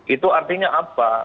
itu artinya apa